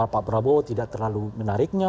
pak prabowo tidak terlalu menariknya